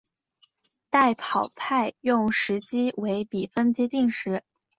代跑派用时机为比分接近时。